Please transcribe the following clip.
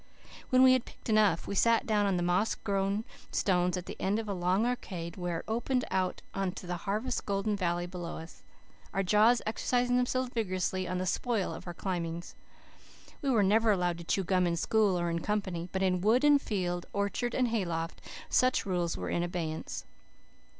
When we had picked enough, we sat down on the moss grown stones at the end of a long arcade, where it opened out on the harvest golden valley below us, our jaws exercising themselves vigorously on the spoil of our climbings. We were never allowed to chew gum in school or in company, but in wood and field, orchard and hayloft, such rules were in abeyance.